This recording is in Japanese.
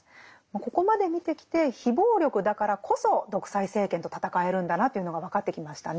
ここまで見てきて非暴力だからこそ独裁政権と闘えるんだなというのが分かってきましたね。